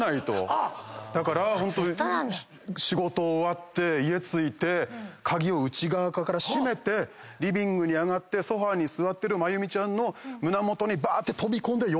だからホント仕事終わって家着いて鍵を内側から閉めてリビングに上がってソファに座ってるまゆみちゃんの胸元にばーって飛び込んで。